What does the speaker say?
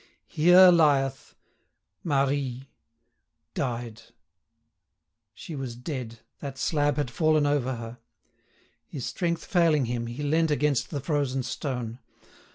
"Here lieth ... Marie ... died ..." She was dead, that slab had fallen over her. His strength failing him, he leant against the frozen stone.